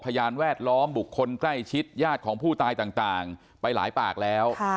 พยานแวดล้อมบุคคลใกล้ชิดญาติของผู้ตายต่างไปหลายปากแล้ว